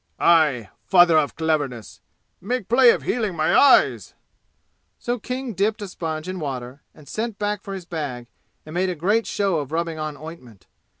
"Aye! Father of cleverness! Make play of healing my eyes!" So King dipped a sponge in water and sent back for his bag and made a great show of rubbing on ointment.